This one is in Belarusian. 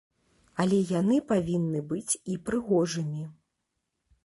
Але яны павінны быць і прыгожымі.